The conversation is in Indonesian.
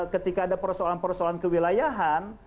ketika ada persoalan persoalan kewilayahan